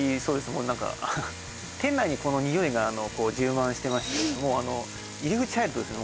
もう何か店内にこのにおいが充満してまして入り口入るとですね